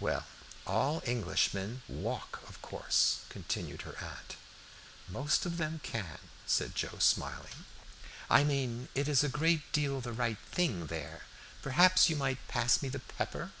"Well, all Englishmen walk, of course," continued her aunt. "Most of them can," said Joe, smiling. "I mean, it is a great deal the right thing there. Perhaps you might pass me the pepper."